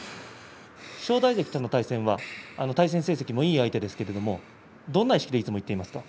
正代関との対戦成績もいい相手でしたけれどどんな意識でいっていますか。